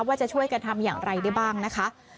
ว่าจะช่วยกันทำอย่างไรได้บ้างนะคะ